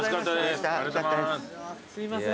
すいません